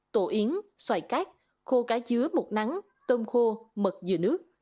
tổ yến xoài cát khô cá dứa bột nắng tôm khô mật dừa nước